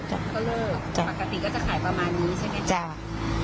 ปกติก็จะขายประมาณนี้ใช่ไหม